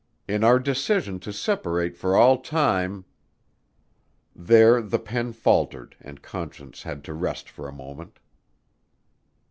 In our decision to separate for all time " There the pen faltered and Conscience had to rest for a moment.